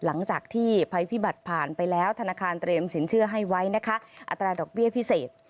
หลังจากที่ภัยพิบัตรผ่านไปแล้วธนาคารเตรียมสินเชื่อให้ไว้นะคะอัตราดอกเบี้ยพิเศษ